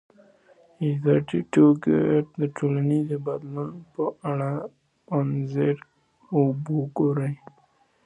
ازادي راډیو د ټولنیز بدلون په اړه د نقدي نظرونو کوربه وه.